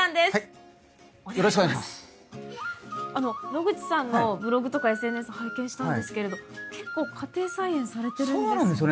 野口さんのブログとかＳＮＳ拝見したんですけれど結構家庭菜園されてるんですね。